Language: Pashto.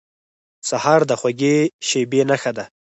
سهار د خوږې شېبې نښه ده.